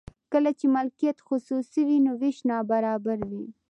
کله چې مالکیت خصوصي وي نو ویش نابرابر وي.